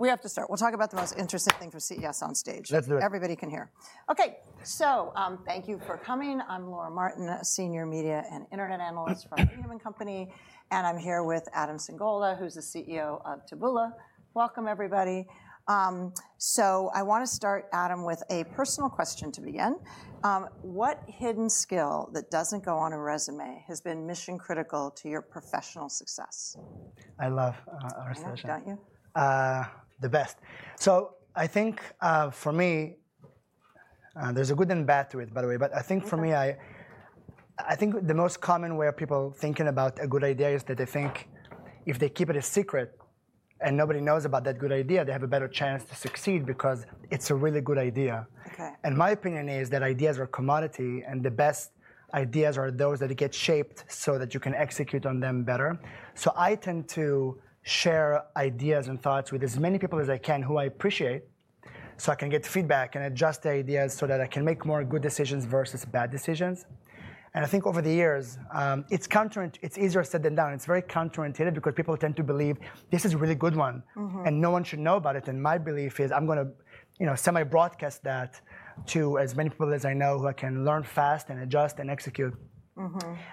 We have to start. We'll talk about the most interesting thing from CES on stage. Let's do it. Everybody can hear. Okay, so thank you for coming. I'm Laura Martin, a senior media and internet analyst for Needham & Company, and I'm here with Adam Singolda, who's the CEO of Taboola. Welcome, everybody. So I want to start, Adam, with a personal question to begin. What hidden skill that doesn't go on a resume has been mission-critical to your professional success? I love our session. I love it, don't you? The best. So I think for me, there's a good and bad to it, by the way. But I think for me, I think the most common way of people thinking about a good idea is that they think if they keep it a secret and nobody knows about that good idea, they have a better chance to succeed because it's a really good idea. And my opinion is that ideas are a commodity, and the best ideas are those that get shaped so that you can execute on them better. So I tend to share ideas and thoughts with as many people as I can who I appreciate so I can get feedback and adjust the ideas so that I can make more good decisions versus bad decisions. And I think over the years, it's easier said than done. It's very counterintuitive because people tend to believe this is a really good one, and no one should know about it, and my belief is I'm going to semi-broadcast that to as many people as I know who I can learn fast and adjust and execute.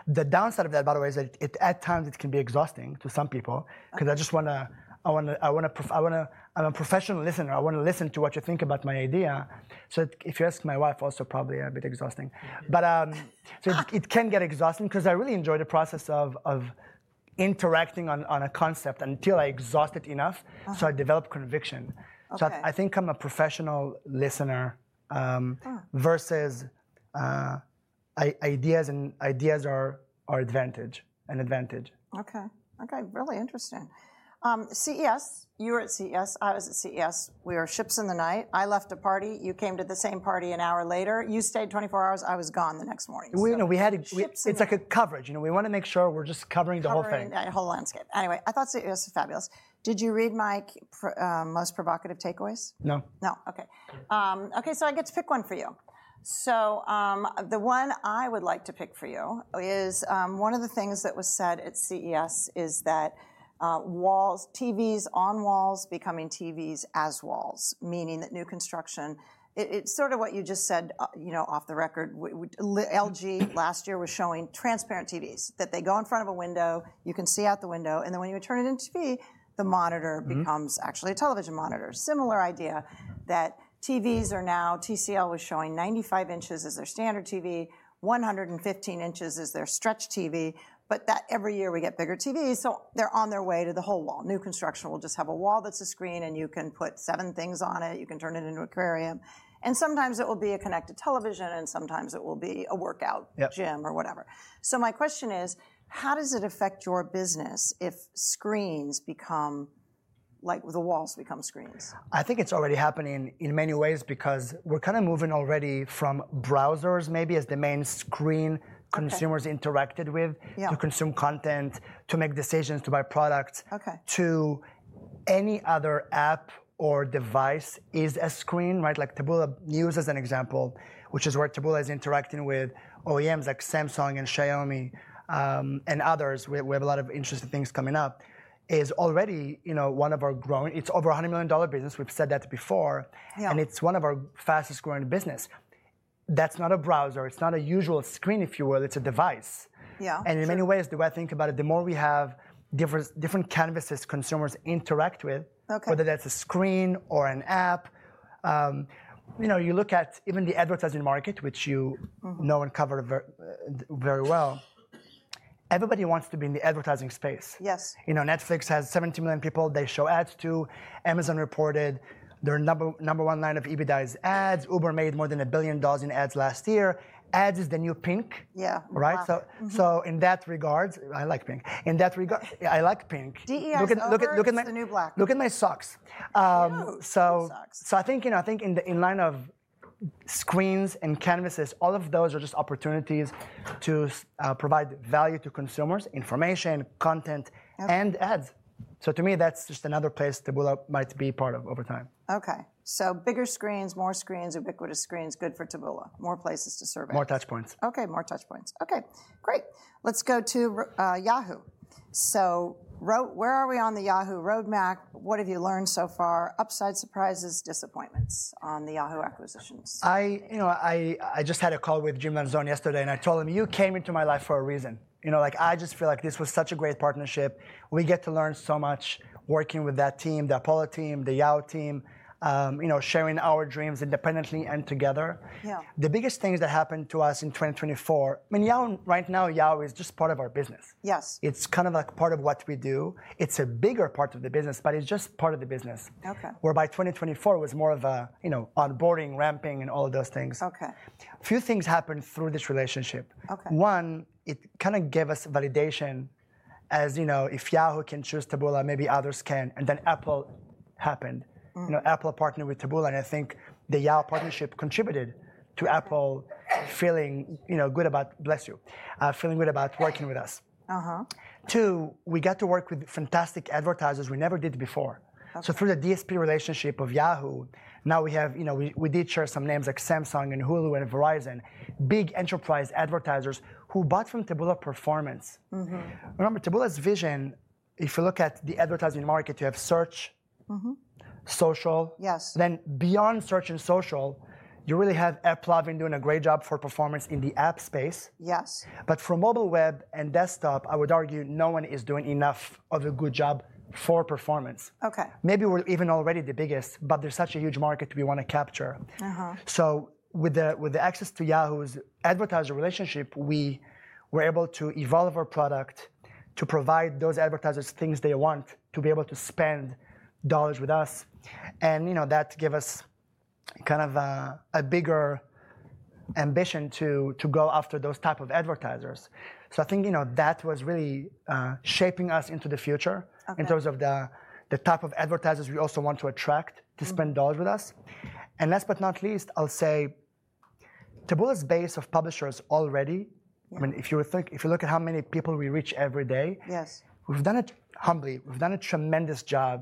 The downside of that, by the way, is that at times it can be exhausting to some people because I just want to, I want to, I want to, I'm a professional listener. I want to listen to what you think about my idea, so if you ask my wife, also probably a bit exhausting, but it can get exhausting because I really enjoy the process of interacting on a concept until I exhaust it enough so I develop conviction, so I think I'm a professional listener versus ideas and ideas are an advantage. Okay. Okay. Really interesting. CES, you were at CES, I was at CES. We were ships in the night. I left a party. You came to the same party an hour later. You stayed 24 hours. I was gone the next morning. We had a ships. It's like a coverage. You know, we want to make sure we're just covering the whole thing. Covering that whole landscape. Anyway, I thought CES was fabulous. Did you read my most provocative takeaways? No. No. Okay. Okay. So I get to pick one for you. So the one I would like to pick for you is one of the things that was said at CES: that walls, TVs on walls, are becoming TVs as walls, meaning that in new construction, it's sort of what you just said, you know, off the record. LG last year was showing transparent TVs that they go in front of a window. You can see out the window, and then when you turn it into TV, the monitor becomes actually a television monitor. Similar idea that TVs are now. TCL was showing 95 inches as their standard TV, 115 inches as their stretch TV, but that every year we get bigger TVs. So they're on their way to the whole wall. New construction will just have a wall that's a screen, and you can put seven things on it. You can turn it into an aquarium, and sometimes it will be a connected television, and sometimes it will be a workout gym or whatever, so my question is, how does it affect your business if screens become, like the walls become screens? I think it's already happening in many ways because we're kind of moving already from browsers maybe as the main screen consumers interacted with to consume content, to make decisions, to buy products, to any other app or device is a screen, right? Like Taboola News as an example, which is where Taboola is interacting with OEMs like Samsung and Xiaomi and others. We have a lot of interesting things coming up. It's already, you know, one of our growing, it's over $100 million business. We've said that before, and it's one of our fastest growing business. That's not a browser. It's not a usual screen, if you will. It's a device. And in many ways, the way I think about it, the more we have different canvases consumers interact with, whether that's a screen or an app. You know, you look at even the advertising market, which you know and cover very well. Everybody wants to be in the advertising space. Yes. You know, Netflix has 70 million people they show ads to. Amazon reported their number one line of EBITDA is ads. Uber made more than $1 billion in ads last year. Ads is the new pink, right? So in that regard, I like pink. In that regard, I like pink. This suit's the new black. Look at my socks. So I think, you know, I think in the line of screens and canvases, all of those are just opportunities to provide value to consumers, information, content, and ads. So to me, that's just another place Taboola might be part of over time. Okay, so bigger screens, more screens, ubiquitous screens, good for Taboola. More places to serve. More touch points. Okay. More touch points. Okay. Great. Let's go to Yahoo. So where are we on the Yahoo roadmap? What have you learned so far? Upside, surprises, disappointments on the Yahoo acquisitions. I, you know, I just had a call with Jim Lanzone yesterday, and I told him, you came into my life for a reason. You know, like I just feel like this was such a great partnership. We get to learn so much working with that team, the Apollo team, the Yahoo team, you know, sharing our dreams independently and together. The biggest things that happened to us in 2024, I mean, Yahoo right now, Yahoo is just part of our business. Yes. It's kind of like part of what we do. It's a bigger part of the business, but it's just part of the business. Okay. Where by 2024, it was more of a, you know, onboarding, ramping, and all of those things. Okay. A few things happened through this relationship. Okay One, it kind of gave us validation as, you know, if Yahoo can choose Taboola, maybe others can, and then Apple happened. You know, Apple partnered with Taboola, and I think the Yahoo partnership contributed to Apple feeling, you know, good about, bless you, feeling good about working with us. Two, we got to work with fantastic advertisers we never did before, so through the DSP relationship of Yahoo, now we have, you know, we did share some names like Samsung and Hulu and Verizon, big enterprise advertisers who bought from Taboola performance. Remember, Taboola's vision, if you look at the advertising market, you have search, social. Yes Then beyond search and social, you really have AppLovin doing a great job for performance in the app space. Yes. But for mobile web and desktop, I would argue no one is doing enough of a good job for performance. Okay. Maybe we're even already the biggest, but there's such a huge market we want to capture. So with the access to Yahoo's advertiser relationship, we were able to evolve our product to provide those advertisers things they want to be able to spend dollars with us. And, you know, that gave us kind of a bigger ambition to go after those types of advertisers. So I think, you know, that was r Okay eally shaping us into the future in terms of the type of advertisers we also want to attract to spend dollars with us. And last but not least, I'll say Taboola's base of publishers already, I mean, if you look at how many people we reach every day, Yes we've done it humbly. We've done a tremendous job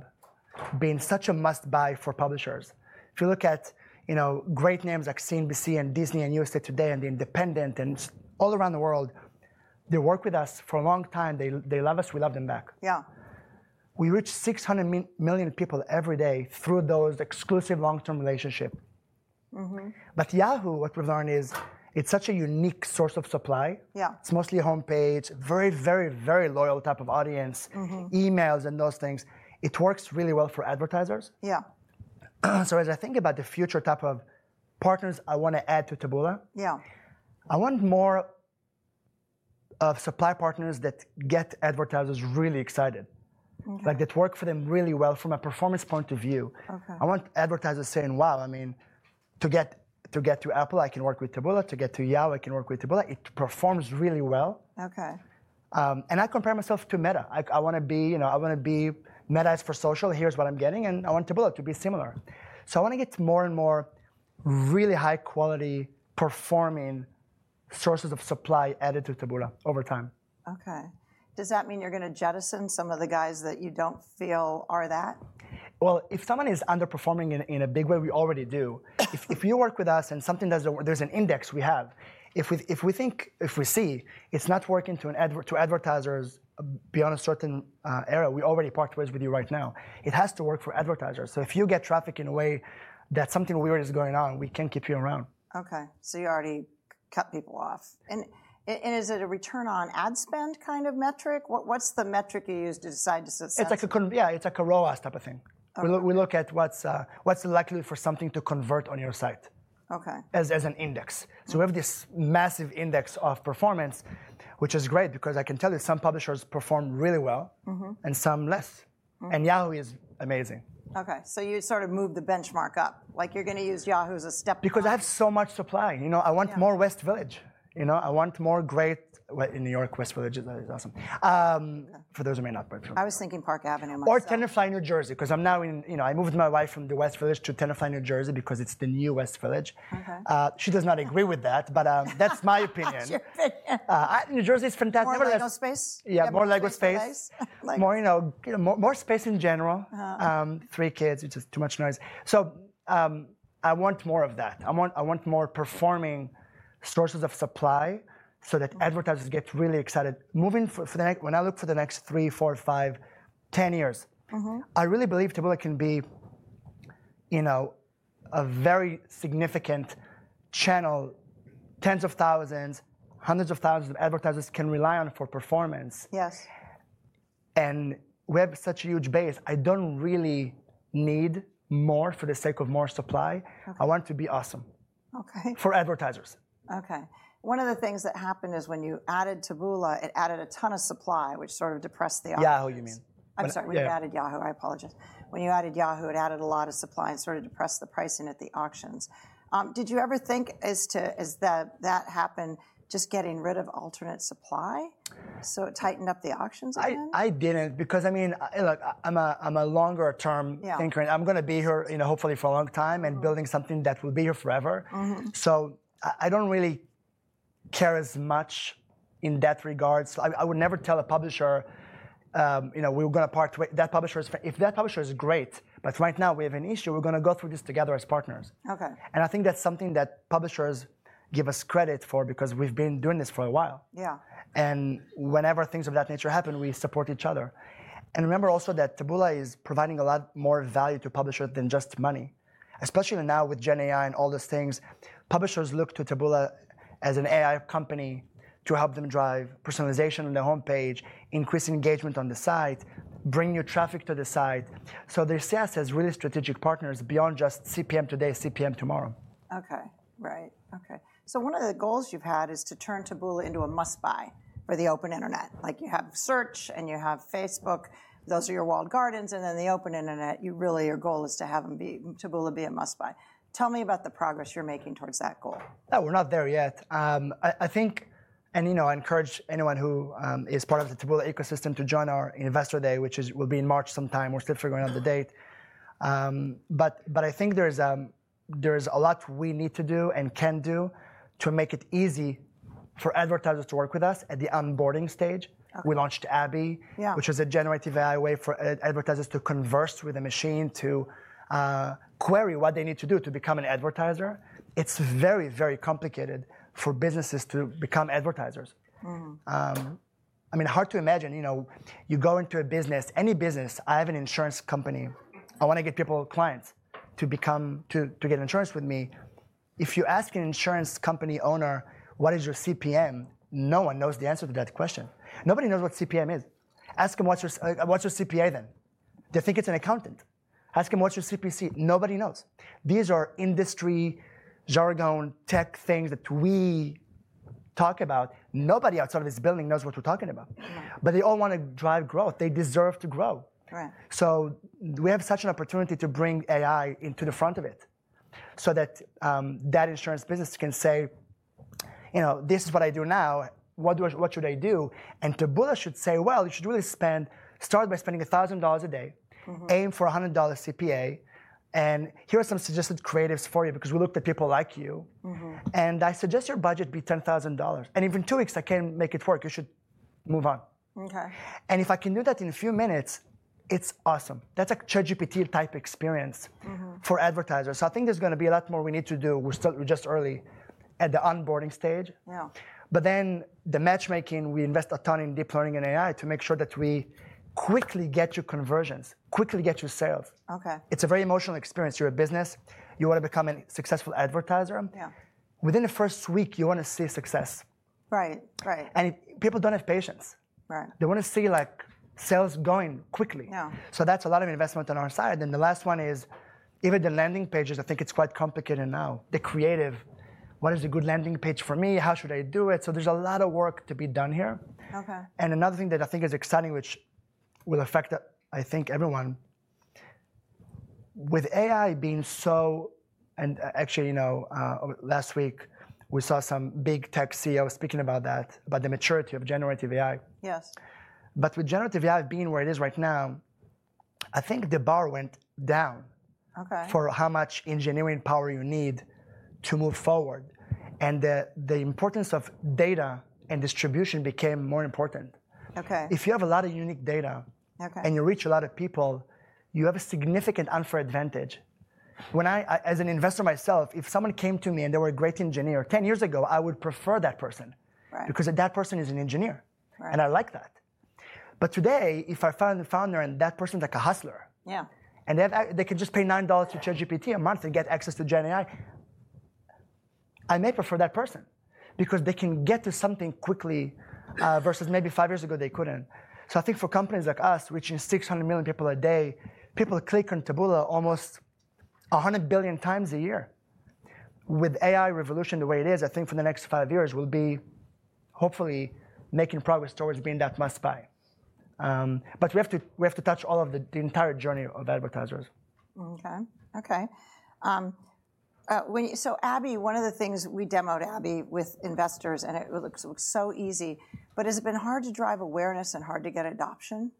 being such a must-buy for publishers. If you look at, you know, great names like CNBC and Disney and USA Today and The Independent and all around the world, they work with us for a long time. They love us. We love them back. Yeah. We reach 600 million people every day through those exclusive long-term relationships. But Yahoo, what we've learned is it's such a unique source of supply. Yeah. It's mostly homepage, very, very, very loyal type of audience, emails and those things. It works really well for advertisers. Yeah. So, as I think about the future type of partners I want to add to Taboola, I want more supply partners that get advertisers really excited, like that work for them really well from a performance point of view. I want advertisers saying, wow, I mean, to get to Apple, I can work with Taboola. To get to Yahoo, I can work with Taboola. It performs really well. Okay. And I compare myself to Meta. I want to be, you know, I want to be Meta is for social. Here's what I'm getting. And I want Taboola to be similar. So I want to get more and more really high-quality performing sources of supply added to Taboola over time. Okay. Does that mean you're going to jettison some of the guys that you don't feel are that? If someone is underperforming in a big way, we already do. If you work with us and something does, there's an index we have. If we think, if we see it's not working to advertisers beyond a certain era, we already part ways with you right now. It has to work for advertisers. If you get traffic in a way that something weird is going on, we can't keep you around. Okay. So you already cut people off. And is it a return on ad spend kind of metric? What's the metric you use to decide to subscribe? It's like a ROAS type of thing. We look at what's the likelihood for something to convert on your site as an index. So we have this massive index of performance, which is great because I can tell you some publishers perform really well and some less, and Yahoo is amazing. Okay. So you sort of move the benchmark up. Like you're going to use Yahoo as a step up. Because I have so much supply. You know, I want more West Village. You know, I want more great, in New York, West Village is awesome. For those who may not be familiar. I was thinking Park Avenue myself. Or Tenafly New Jersey, because I'm now in, you know, I moved my wife from the West Village to Tenafly New Jersey because it's the new West Village. She does not agree with that, but that's my opinion. That's your opinion. New Jersey is fantastic. More LEGO space? Yeah, more LEGO space. More, you know, more space in general. Three kids, which is too much noise. So I want more of that. I want more performing sources of supply so that advertisers get really excited. Moving for the next, when I look for the next three, four, five, 10 years, I really believe Taboola can be, you know, a very significant channel. Tens of thousands, hundreds of thousands of advertisers can rely on for performance. Yes. We have such a huge base. I don't really need more for the sake of more supply. I want it to be awesome for advertisers. Okay. One of the things that happened is when you added Taboola, it added a ton of supply, which sort of depressed the auction. Yahoo, you mean? I'm sorry. When you added Yahoo, I apologize. When you added Yahoo, it added a lot of supply and sort of depressed the pricing at the auctions. Did you ever think as that happened, just getting rid of alternate supply? So it tightened up the auctions again? I didn't because, I mean, look, I'm a longer-term thinker. I'm going to be here, you know, hopefully for a long time and building something that will be here forever. So I don't really care as much in that regard. So I would never tell a publisher, you know, we're going to part ways. If that publisher is great, but right now we have an issue, we're going to go through this together as partners. Okay. I think that's something that publishers give us credit for because we've been doing this for a while. Yeah. Whenever things of that nature happen, we support each other. Remember also that Taboola is providing a lot more value to publishers than just money, especially now with Gen AI and all those things. Publishers look to Taboola as an AI company to help them drive personalization on the homepage, increase engagement on the site, bring new traffic to the site. They see us as really strategic partners beyond just CPM today, CPM tomorrow. Okay. Right. Okay. So one of the goals you've had is to turn Taboola into a must-buy for the open internet. Like you have search and you have Facebook. Those are your walled gardens. And then the open internet, you really, your goal is to have Taboola be a must-buy. Tell me about the progress you're making towards that goal. We're not there yet. I think, and you know, I encourage anyone who is part of the Taboola ecosystem to join our investor day, which will be in March sometime. We're still figuring out the date. But I think there is a lot we need to do and can do to make it easy for advertisers to work with us at the onboarding stage. We launched Abby, which is a generative AI way for advertisers to converse with a machine to query what they need to do to become an advertiser. It's very, very complicated for businesses to become advertisers. I mean, hard to imagine, you know, you go into a business, any business, I have an insurance company. I want to get people clients to get insurance with me. If you ask an insurance company owner, what is your CPM, no one knows the answer to that question. Nobody knows what CPM is. Ask them what's your CPA then. They think it's an accountant. Ask them what's your CPC. Nobody knows. These are industry jargon tech things that we talk about. Nobody outside of this building knows what we're talking about. But they all want to drive growth. They deserve to grow. Right. We have such an opportunity to bring AI into the front of it so that that insurance business can say, you know, this is what I do now. What should I do? And Taboola should say, well, you should really start by spending $1,000 a day. Aim for a $100 CPA. And here are some suggested creatives for you because we looked at people like you. And I suggest your budget be $10,000. And even two weeks, I can make it work. You should move on. Okay. And if I can do that in a few minutes, it's awesome. That's a ChatGPT type experience for advertisers. So I think there's going to be a lot more we need to do. We're still just early at the onboarding stage. Yeah. But then the matchmaking, we invest a ton in deep learning and AI to make sure that we quickly get you conversions, quickly get you sales. Okay. It's a very emotional experience. You're a business. You want to become a successful advertiser. Yeah. Within the first week, you want to see success. Right. Right. People don't have patience. Right. They want to see like sales going quickly. Yeah. So that's a lot of investment on our side. And the last one is even the landing pages. I think it's quite complicated now. The creative. What is a good landing page for me? How should I do it? So there's a lot of work to be done here. Okay. Another thing that I think is exciting, which will affect, I think, everyone. With AI being so, and actually, you know, last week we saw some big tech CEOs speaking about that, about the maturity of generative AI. Yes. But with generative AI being where it is right now, I think the bar went down. Okay. For how much engineering power you need to move forward and the importance of data and distribution became more important. Okay. If you have a lot of unique data and you reach a lot of people, you have a significant unfair advantage. When I, as an investor myself, if someone came to me and they were a great engineer, 10 years ago, I would prefer that person because that person is an engineer. Right. And I like that. But today, if I found a founder and that person's like a hustler. Yeah. They can just pay $9 to ChatGPT a month and get access to Gen AI. I may prefer that person because they can get to something quickly versus maybe five years ago they couldn't. So I think for companies like us, reaching 600 million people a day, people click on Taboola almost 100 billion times a year. With AI revolution the way it is, I think for the next five years we'll be hopefully making progress towards being that must-buy. But we have to touch all of the entire journey of advertisers. Okay. Okay. So Abby, one of the things we demoed Abby with investors, and it looks so easy, but has it been hard to drive awareness and hard to get adoption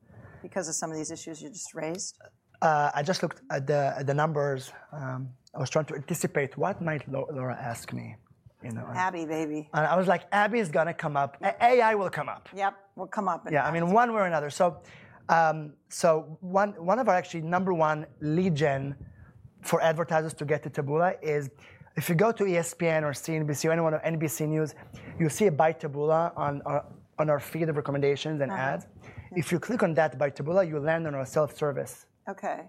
because of some of these issues you just raised? I just looked at the numbers. I was trying to anticipate what might Laura ask me. You know. Abby, baby. I was like, Abby is going to come up. AI will come up. Yep. Will come up. Yeah. I mean, one way or another, so one of our actually number one lead gen for advertisers to get to Taboola is if you go to ESPN or CNBC or anyone on NBC News. You'll see a By Taboola on our feed of recommendations and ads. If you click on that By Taboola, you land on our self-service. Okay.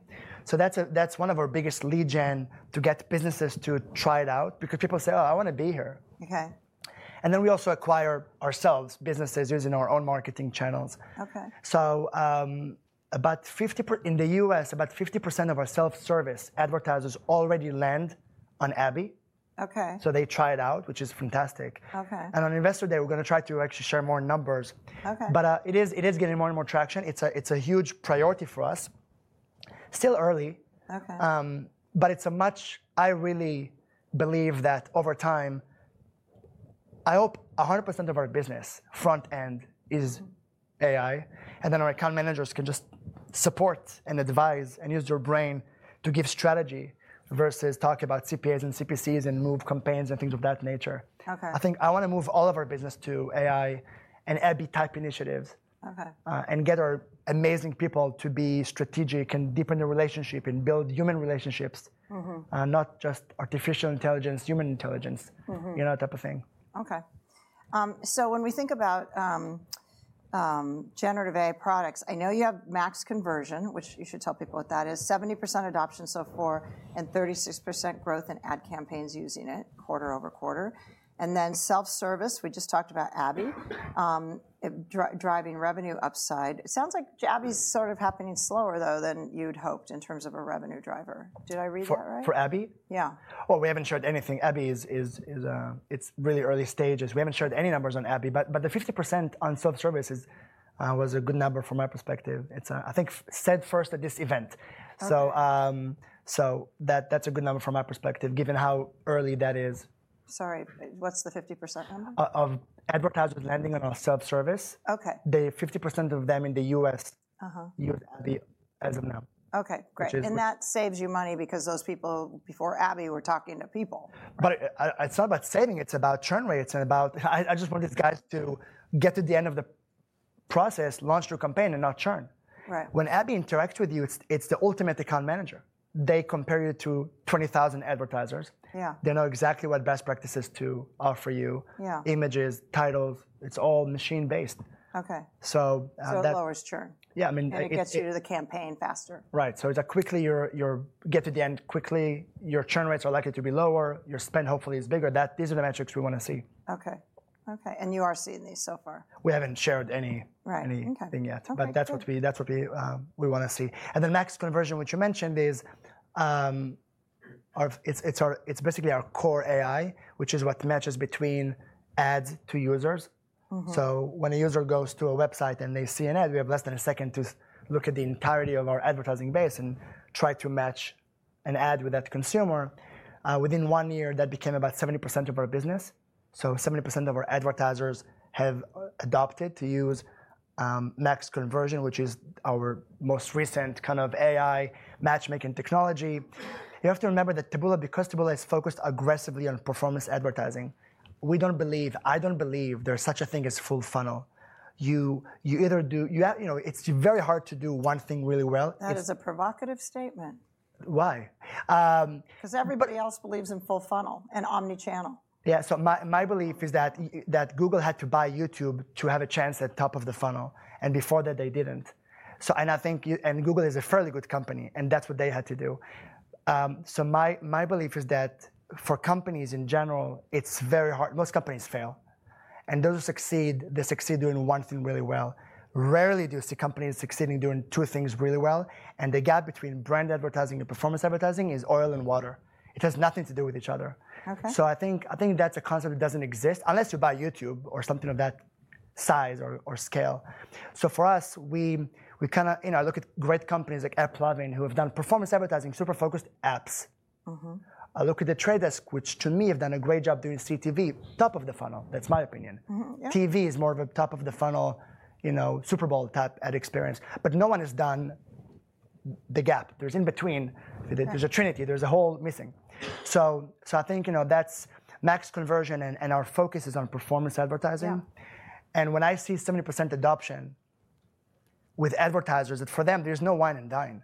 That's one of our biggest lead gen to get businesses to try it out because people say, oh, I want to be here. Okay. We also acquire ourselves businesses using our own marketing channels. Okay. About 50% in the U.S., about 50% of our self-service advertisers already land on Abby. Okay. They try it out, which is fantastic. Okay. On investor day, we're going to try to actually share more numbers. Okay. But it is getting more and more traction. It's a huge priority for us. Still early. Okay. But it's a much. I really believe that over time, I hope 100% of our business front end is AI. And then our account managers can just support and advise and use their brain to give strategy versus talk about CPAs and CPCs and move campaigns and things of that nature. Okay. I think I want to move all of our business to AI and Abby type initiatives. Okay. Get our amazing people to be strategic and deepen the relationship and build human relationships, not just artificial intelligence, human intelligence, you know, type of thing. Okay. So when we think about generative AI products, I know you have Max Conversion, which you should tell people what that is. 70% adoption so far and 36% growth in ad campaigns using it quarter over quarter. And then Self-Service, we just talked about Abby, driving revenue upside. It sounds like Abby is sort of happening slower though than you'd hoped in terms of a revenue driver. Did I read that right? For Abby? Yeah. Oh, we haven't shared anything. Abby, it's really early stages. We haven't shared any numbers on Abby, but the 50% on self-service was a good number from my perspective. It's, I think, said first at this event. So that's a good number from my perspective, given how early that is. Sorry, what's the 50% number? Of advertisers landing on our self-service. Okay. The 50% of them in the U.S. use Abby as of now. Okay. Great, and that saves you money because those people before Abby were talking to people. But it's not about saving. It's about churn rates. And about, I just want these guys to get to the end of the process, launch their campaign and not churn. Right. When Abby interacts with you, it's the ultimate account manager. They compare you to 20,000 advertisers. Yeah. They know exactly what best practices to offer you. Yeah. Images, titles, it's all machine-based. Okay. So that's. So it lowers churn. Yeah. I mean. It gets you to the campaign faster. Right, so it's a quickly, you get to the end quickly. Your churn rates are likely to be lower. Your spend hopefully is bigger. These are the metrics we want to see. Okay. Okay. And you are seeing these so far? We haven't shared anything yet. Okay. But that's what we want to see. And the Max Conversion, which you mentioned, is basically our core AI, which is what matches between ads to users. So when a user goes to a website and they see an ad, we have less than a second to look at the entirety of our advertising base and try to match an ad with that consumer. Within one year, that became about 70% of our business. So 70% of our advertisers have adopted to use Max Conversion, which is our most recent kind of AI matchmaking technology. You have to remember that Taboola, because Taboola is focused aggressively on Performance Advertising. We don't believe, I don't believe there's such a thing as Full Funnel. You either do, you know, it's very hard to do one thing really well. That is a provocative statement. Why? Because everybody else believes in full funnel and omnichannel. Yeah. So my belief is that Google had to buy YouTube to have a chance at top of the funnel. And before that, they didn't. And I think, and Google is a fairly good company. And that's what they had to do. So my belief is that for companies in general, it's very hard. Most companies fail. And those who succeed, they succeed doing one thing really well. Rarely do you see companies succeeding doing two things really well. And the gap between brand advertising and performance advertising is oil and water. It has nothing to do with each other. Okay. So, I think that's a concept that doesn't exist unless you buy YouTube or something of that size or scale. So for us, we kind of, you know, I look at great companies like AppLovin who have done performance advertising, super focused apps. I The Trade Desk, which to me have done a great job doing CTV, top of the funnel. That's my opinion. TV is more of a top of the funnel, you know, Super Bowl type ad experience. But no one has done the gap. There's in between, there's a Trinity, there's a hole missing. So I think, you know, that's Max Conversion and our focus is on performance advertising. Yeah. And when I see 70% adoption with advertisers, for them, there's no wine and dine.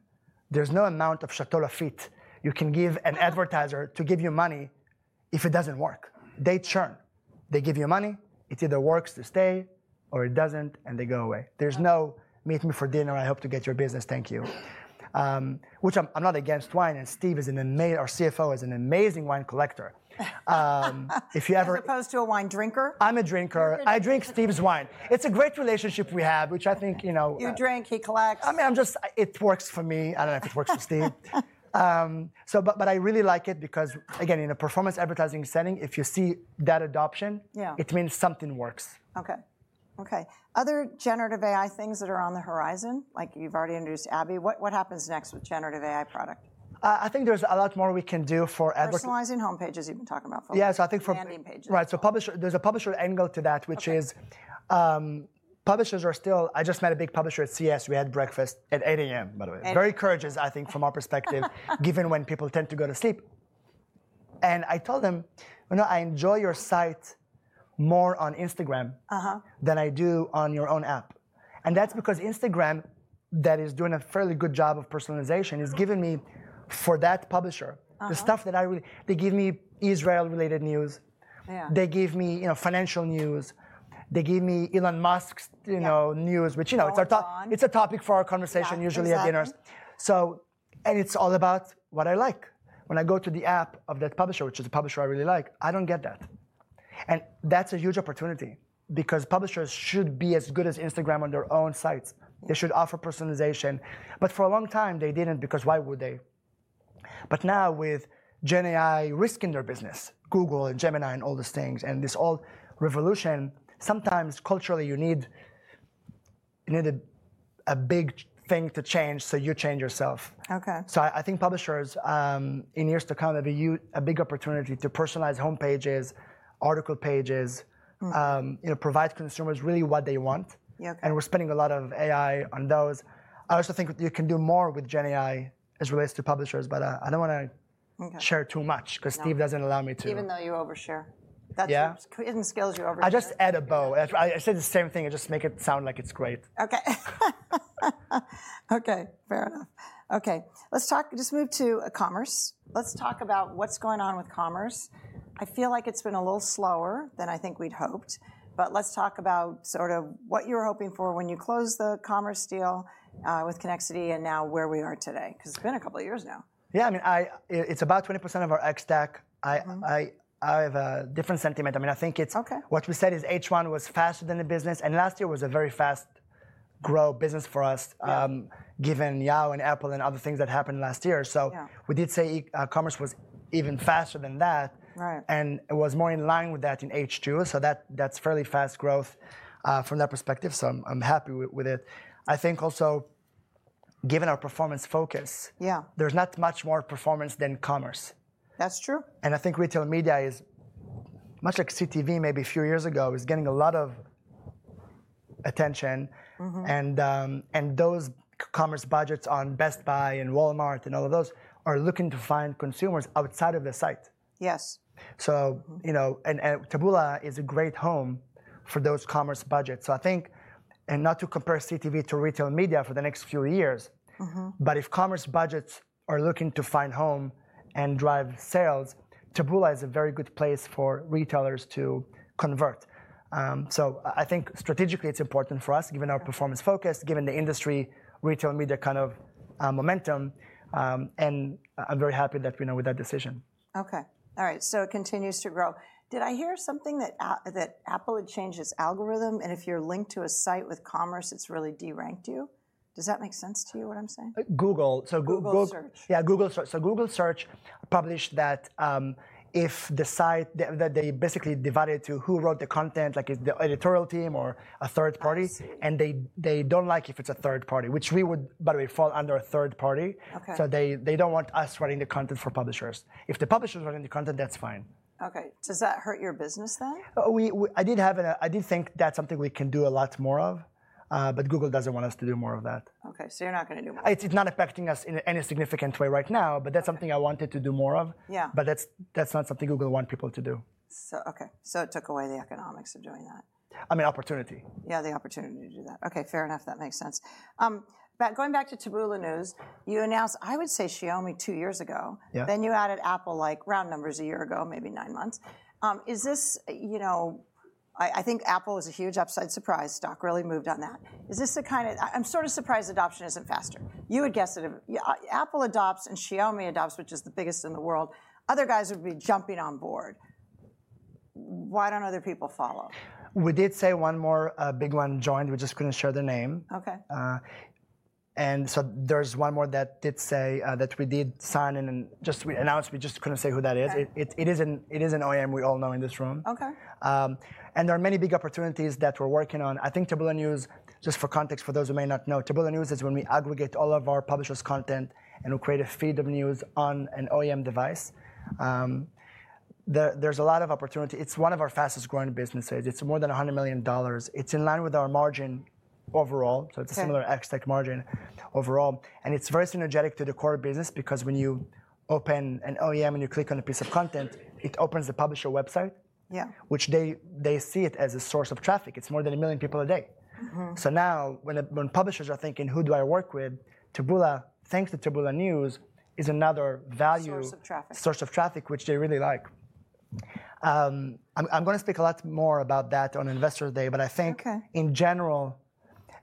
There's no amount of Château Lafite you can give an advertiser to give you money if it doesn't work. They churn. They give you money. It either works to stay or it doesn't and they go away. There's no meet me for dinner. I hope to get your business. Thank you. Which I'm not against wine. And Steve, our CFO, is an amazing wine collector. If you ever. As opposed to a wine drinker. I'm a drinker. I drink Steve's wine. It's a great relationship we have, which I think, you know. You drink, he collects. I mean, I'm just, it works for me. I don't know if it works for Steve. But I really like it because, again, in a performance advertising setting, if you see that adoption. Yeah. It means something works. Okay. Okay. Other generative AI things that are on the horizon, like you've already introduced Abby, what happens next with generative AI product? I think there's a lot more we can do for advertising. Personalizing homepages, you've been talking about for landing pages. Yeah. So I think for, right. So there's a publisher angle to that, which is publishers are still. I just met a big publisher at CES. We had breakfast at 8:00 A.M., by the way. Very courageous, I think, from our perspective, given when people tend to go to sleep. And I told them, you know, I enjoy your site more on Instagram than I do on your own app. And that's because Instagram that is doing a fairly good job of personalization is giving me for that publisher the stuff that I really, they give me Israel-related news. Yeah. They give me, you know, financial news. They give me Elon Musk's, you know, news, which, you know, it's a topic for our conversation usually at dinners. Yeah. So, and it's all about what I like. When I go to the app of that publisher, which is a publisher I really like, I don't get that. And that's a huge opportunity because publishers should be as good as Instagram on their own sites. They should offer personalization. But for a long time, they didn't because why would they? But now with Gen AI risking their business, Google and Gemini and all those things and this whole revolution, sometimes culturally you need a big thing to change. So you change yourself. Okay. So I think publishers in years to come have a big opportunity to personalize homepages, article pages, you know, provide consumers really what they want. Yeah. We're spending a lot of AI on those. I also think you can do more with Gen AI as relates to publishers, but I don't want to share too much because Steve doesn't allow me to. Even though you overshare. Yeah. That even skills you overshare. I just add a bow. I say the same thing. I just make it sound like it's great. Okay. Okay. Fair enough. Okay. Let's talk, just move to e-commerce. Let's talk about what's going on with commerce. I feel like it's been a little slower than I think we'd hoped. But let's talk about sort of what you were hoping for when you closed the commerce deal with Connexity and now where we are today. Because it's been a couple of years now. Yeah. I mean, it's about 20% of our ex-TAC. I have a different sentiment. I mean, I think it's. Okay. What we said is H1 was faster than the business, and last year was a very fast grow business for us given Yahoo and Apple and other things that happened last year. Yeah. So we did say commerce was even faster than that. Right. And it was more in line with that in H2. So that's fairly fast growth from that perspective. So I'm happy with it. I think also given our performance focus. Yeah. There's not much more performance than commerce. That's true. And I think retail media is much like CTV, maybe a few years ago, is getting a lot of attention. And those commerce budgets on Best Buy and Walmart and all of those are looking to find consumers outside of the site. Yes. So, you know, and Taboola is a great home for those commerce budgets. So I think, and not to compare CTV to retail media for the next few years, but if commerce budgets are looking to find a home and drive sales, Taboola is a very good place for retailers to convert. So I think strategically it's important for us given our performance focus, given the industry retail media kind of momentum. And I'm very happy that we went with that decision. Okay. All right. So it continues to grow. Did I hear something that Apple had changed its algorithm? And if you're linked to a site with commerce, it's really deranked you. Does that make sense to you what I'm saying? Google, so Google. Google Search. Yeah. Google Search. So Google Search published that if the site that they basically divided to who wrote the content, like the editorial team or a third party. I see. And they don't like if it's a third party, which we would, by the way, fall under a third party. Okay. So they don't want us writing the content for publishers. If the publishers writing the content, that's fine. Okay. Does that hurt your business then? I did think that's something we can do a lot more of. But Google doesn't want us to do more of that. Okay, so you're not going to do more of that. It's not affecting us in any significant way right now, but that's something I wanted to do more of. Yeah. But that's not something Google want people to do. So, okay. So it took away the economics of doing that. I mean, opportunity. Yeah. The opportunity to do that. Okay. Fair enough. That makes sense. But going back to Taboola News, you announced, I would say, Xiaomi two years ago. Yeah. Then you added Apple like round numbers a year ago, maybe nine months. Is this, you know, I think Apple is a huge upside surprise. Stock really moved on that. Is this the kind of? I'm sort of surprised adoption isn't faster. You would guess that Apple adopts and Xiaomi adopts, which is the biggest in the world. Other guys would be jumping on board. Why don't other people follow? We did say one more big one joined. We just couldn't share the name. Okay. And so there's one more that did say that we did sign in and just announced. We just couldn't say who that is. It is an OEM we all know in this room. Okay. There are many big opportunities that we're working on. I think Taboola News, just for context for those who may not know, Taboola News is when we aggregate all of our publishers' content and we create a feed of news on an OEM device. There's a lot of opportunity. It's one of our fastest growing businesses. It's more than $100 million. It's in line with our margin overall. It's a similar ex-TAC margin overall. It's very synergetic to the core business because when you open an OEM and you click on a piece of content, it opens the publisher website. Yeah. Which they see it as a source of traffic. It's more than a million people a day. So now when publishers are thinking, who do I work with? Taboola, thanks to Taboola News, is another value. Source of traffic. Source of traffic, which they really like. I'm going to speak a lot more about that on Investor's Day, but I think in general,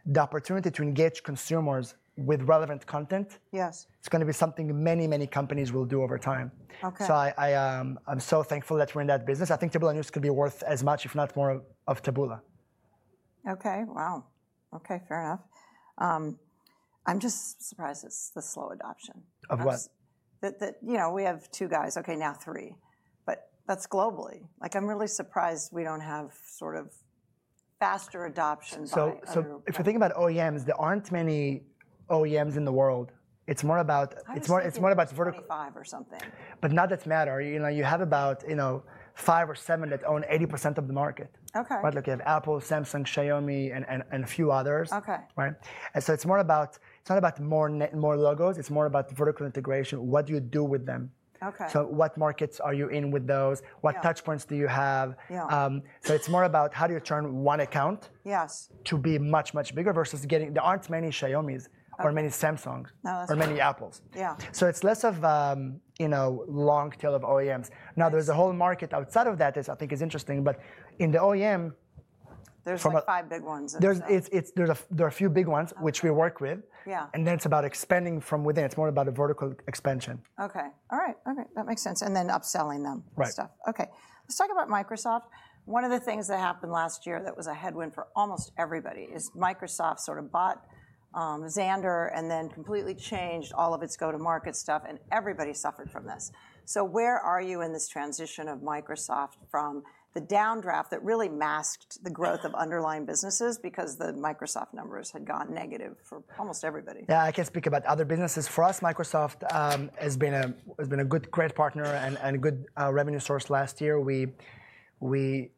the opportunity to engage consumers with relevant content. Yes. It's going to be something many, many companies will do over time. Okay. So I'm so thankful that we're in that business. I think Taboola News could be worth as much, if not more of Taboola. Okay. Wow. Okay. Fair enough. I'm just surprised it's the slow adoption. Of what? That, you know, we have two guys. Okay. Now three. But that's globally. Like I'm really surprised we don't have sort of faster adoption by the year. So if you think about OEMs, there aren't many OEMs in the world. It's more about. I think there's only five or something. But on that matter. You know, you have about, you know, five or seven that own 80% of the market. Okay. But look, you have Apple, Samsung, Xiaomi, and a few others. Okay. Right? And so it's more about, it's not about more logos. It's more about vertical integration. What do you do with them? Okay. So what markets are you in with those? What touch points do you have? Yeah. So it's more about how do you turn one account? Yes. To be much, much bigger versus getting, there aren't many Xiaomis or many Samsungs or many Apples. Yeah. So it's less of, you know, long tail of OEMs. Now there's a whole market outside of that that I think is interesting. But in the OEM. There's only five big ones. There's a few big ones, which we work with. Yeah. And then it's about expanding from within. It's more about a vertical expansion. Okay. All right. That makes sense. And then upselling them. Right. Okay. Let's talk about Microsoft. One of the things that happened last year that was a headwind for almost everybody is Microsoft sort of bought Xandr and then completely changed all of its go-to-market stuff, and everybody suffered from this, so where are you in this transition of Microsoft from the downdraft that really masked the growth of underlying businesses because the Microsoft numbers had gone negative for almost everybody? Yeah. I can speak about other businesses. For us, Microsoft has been a good, great partner and a good revenue source last year. We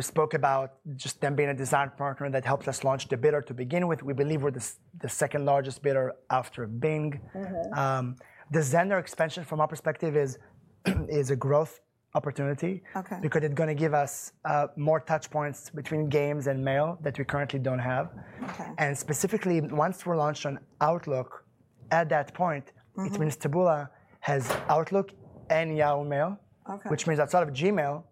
spoke about just them being a design partner that helped us launch the bidder to begin with. We believe we're the second largest bidder after Bing. The Xandr expansion from our perspective is a growth opportunity. Okay. Because it's going to give us more touch points between games and mail that we currently don't have. Okay. Specifically, once we're launched on Outlook, at that point, it means Taboola has Outlook and Yahoo Mail. Okay. Which means outside of Gmail,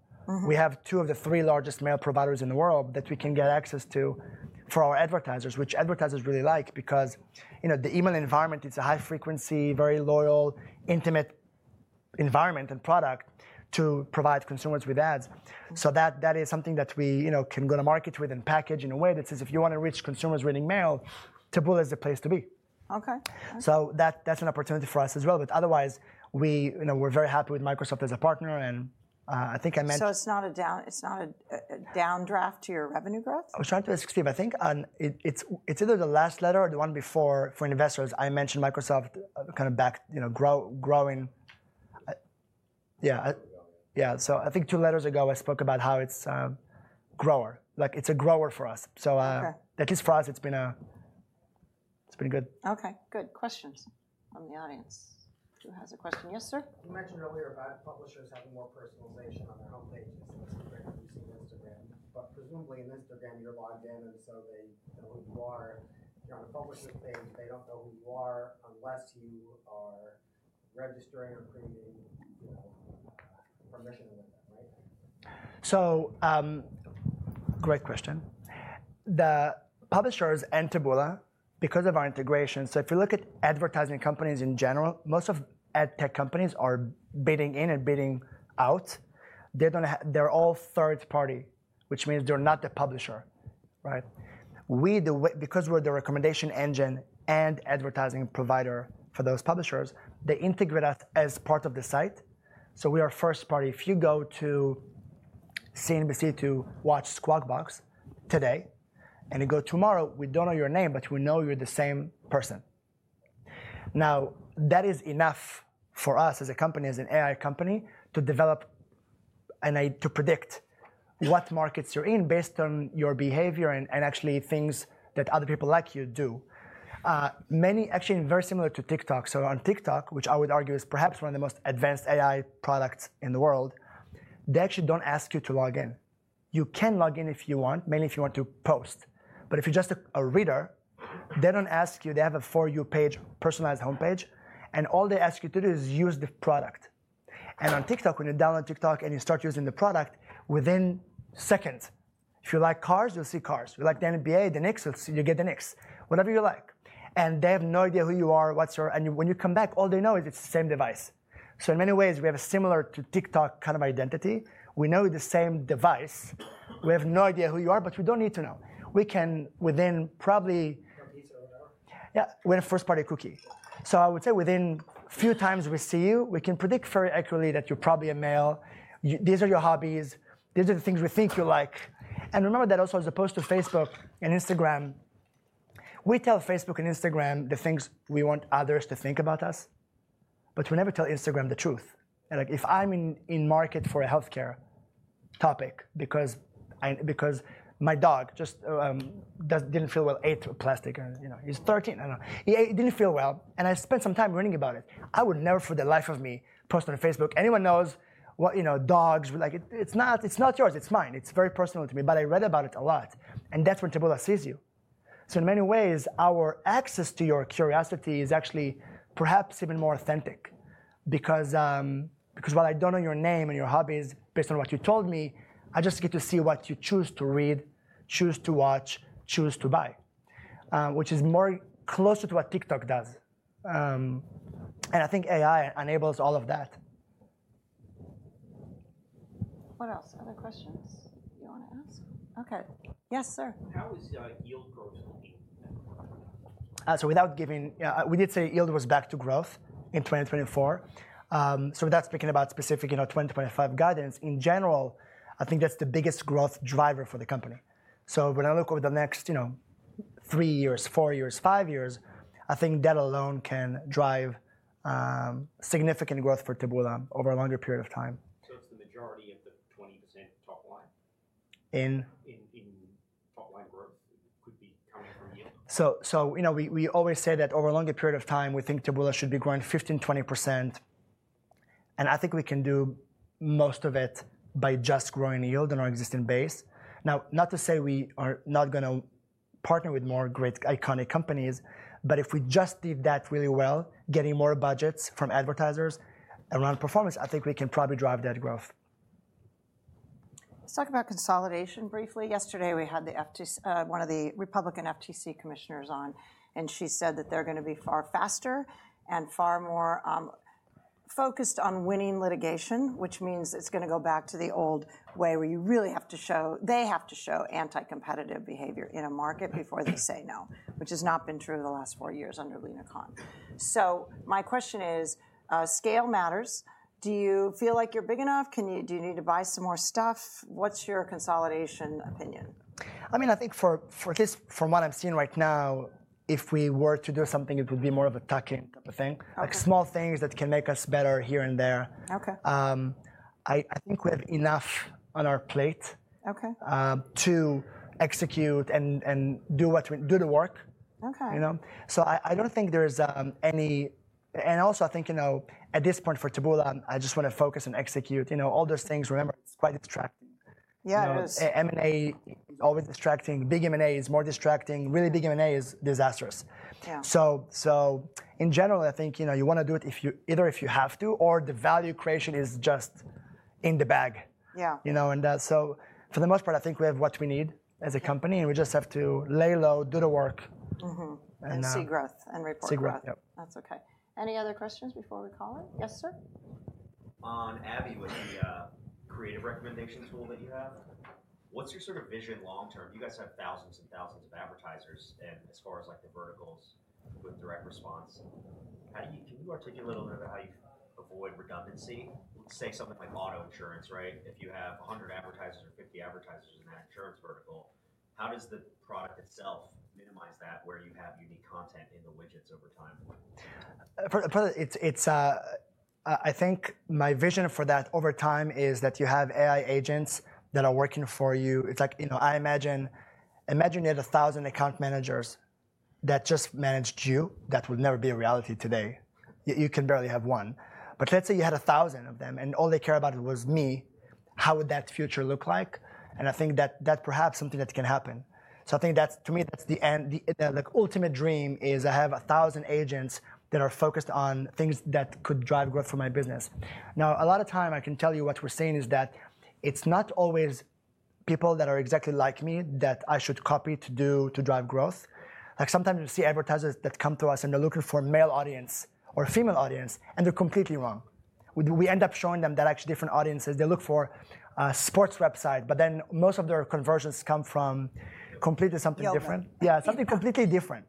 we have two of the three largest mail providers in the world that we can get access to for our advertisers, which advertisers really like because, you know, the email environment, it's a high frequency, very loyal, intimate environment and product to provide consumers with ads. So that is something that we, you know, can go to market with and package in a way that says if you want to reach consumers reading mail, Taboola is the place to be. Okay. So that's an opportunity for us as well. But otherwise, we, you know, we're very happy with Microsoft as a partner. And I think I mentioned. So it's not a downdraft to your revenue growth? I was trying to ask Steve. I think it's either the last letter or the one before for investors. I mentioned Microsoft kind of back, you know, growing. Yeah. Yeah. So I think two letters ago, I spoke about how it's a grower. Like it's a grower for us. So. Okay. At least for us, it's been good. Okay. Good. Questions from the audience. Who has a question? Yes, sir. You mentioned earlier about publishers having more personalization on their homepages. That's great that we see Instagram. But presumably in Instagram, you're logged in and so they know who you are. If you're on a publisher's page, they don't know who you are unless you are registering or creating, you know, permission with them, right? So, great question. The publishers and Taboola, because of our integration, so if you look at advertising companies in general, most ad-tech companies are bidding in and bidding out. They're all third-party, which means they're not the publisher, right? We, because we're the recommendation engine and advertising provider for those publishers, they integrate us as part of the site. So we are first-party. If you go to CNBC to watch Squawk Box today and you go tomorrow, we don't know your name, but we know you're the same person. Now that is enough for us as a company, as an AI company, to develop and to predict what markets you're in based on your behavior and actually things that other people like you do. Many actually are very similar to TikTok. So on TikTok, which I would argue is perhaps one of the most advanced AI products in the world, they actually don't ask you to log in. You can log in if you want, mainly if you want to post. But if you're just a reader, they don't ask you. They have a for you page, personalized homepage. And all they ask you to do is use the product. And on TikTok, when you download TikTok and you start using the product, within seconds, if you like cars, you'll see cars. If you like the NBA, the Knicks, you'll get the Knicks. Whatever you like. And they have no idea who you are, what's your, and when you come back, all they know is it's the same device. So in many ways, we have a similar to TikTok kind of identity. We know the same device. We have no idea who you are, but we don't need to know. We can within probably. From pizza or whatever. Yeah. We're a first-party cookie. So I would say within a few times we see you, we can predict very accurately that you're probably a male. These are your hobbies. These are the things we think you like. And remember that also as opposed to Facebook and Instagram, we tell Facebook and Instagram the things we want others to think about us. But we never tell Instagram the truth. Like if I'm in market for a healthcare topic because my dog just didn't feel well, ate plastic or, you know, he's 13. I don't know. He didn't feel well. And I spent some time reading about it. I would never for the life of me post on Facebook. Anyone knows what, you know, dogs would like, it's not yours. It's mine. It's very personal to me. But I read about it a lot. And that's when Taboola sees you. So in many ways, our access to your curiosity is actually perhaps even more authentic. Because while I don't know your name and your hobbies based on what you told me, I just get to see what you choose to read, choose to watch, choose to buy, which is more closer to what TikTok does. And I think AI enables all of that. What else? Other questions you want to ask? Okay. Yes, sir. How is yield growth looking? So, without giving, we did say yield was back to growth in 2024. So, without speaking about specific, you know, 2025 guidance, in general, I think that's the biggest growth driver for the company. So, when I look over the next, you know, three years, four years, five years, I think that alone can drive significant growth for Taboola over a longer period of time. It's the majority of the 20% top line? In? In top line growth could be coming from yield? You know, we always say that over a longer period of time, we think Taboola should be growing 15%-20%. I think we can do most of it by just growing yield on our existing base. Not to say we are not going to partner with more great iconic companies, if we just did that really well, getting more budgets from advertisers around performance, I think we can probably drive that growth. Let's talk about consolidation briefly. Yesterday, we had the FTC, one of the Republican FTC commissioners on, and she said that they're going to be far faster and far more focused on winning litigation, which means it's going to go back to the old way where you really have to show, they have to show anti-competitive behavior in a market before they say no, which has not been true the last four years under Lina Khan. So my question is, scale matters. Do you feel like you're big enough? Do you need to buy some more stuff? What's your consolidation opinion? I mean, I think for this, from what I'm seeing right now, if we were to do something, it would be more of a tuck-in type of thing. Okay. Like small things that can make us better here and there. Okay. I think we have enough on our plate. Okay. To execute and do the work. Okay. You know? So I don't think there's any, and also I think, you know, at this point for Taboola, I just want to focus and execute, you know, all those things. Remember, it's quite distracting. Yeah. It is. M&A is always distracting. Big M&A is more distracting. Really big M&A is disastrous. Yeah. In general, I think, you know, you want to do it either if you have to or the value creation is just in the bag. Yeah. You know? And so for the most part, I think we have what we need as a company and we just have to lay low, do the work. See growth and report. See growth. That's okay. Any other questions before we call it? Yes, sir? On Abby with the creative recommendation tool that you have, what's your sort of vision long term? You guys have thousands and thousands of advertisers and as far as like the verticals with direct response. Can you articulate a little bit about how you avoid redundancy? Say something like auto insurance, right? If you have 100 advertisers or 50 advertisers in that insurance vertical, how does the product itself minimize that where you have unique content in the widgets over time? It's, I think my vision for that over time is that you have AI agents that are working for you. It's like, you know, I imagine a thousand account managers that just managed you, that would never be a reality today. You can barely have one. But let's say you had a thousand of them and all they care about was me. How would that future look like? And I think that that's perhaps something that can happen. So I think that's, to me, that's the ultimate dream is I have a thousand agents that are focused on things that could drive growth for my business. Now, a lot of time I can tell you what we're saying is that it's not always people that are exactly like me that I should copy to drive growth. Like sometimes you see advertisers that come to us and they're looking for male audience or female audience and they're completely wrong. We end up showing them that actually different audiences. They look for a sports website, but then most of their conversions come from completely something different. Yeah. Yeah. Something completely different,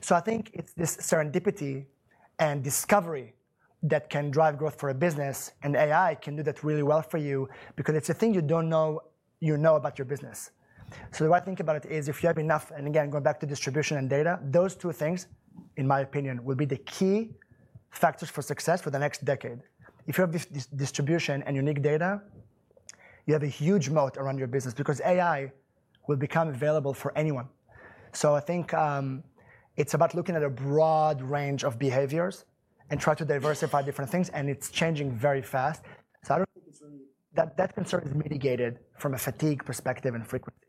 so I think it's this serendipity and discovery that can drive growth for a business, and AI can do that really well for you because it's a thing you don't know you know about your business, so the way I think about it is if you have enough, and again, going back to distribution and data, those two things, in my opinion, will be the key factors for success for the next decade. If you have distribution and unique data, you have a huge moat around your business because AI will become available for anyone, so I think it's about looking at a broad range of behaviors and trying to diversify different things, and it's changing very fast, so I don't think it's really, that concern is mitigated from a fatigue perspective and frequency.